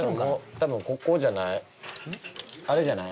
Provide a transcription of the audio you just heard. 多分あれじゃない？